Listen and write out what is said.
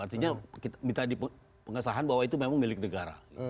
artinya minta di pengesahan bahwa itu memang milik negara